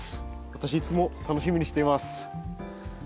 私いつも楽しみにしています。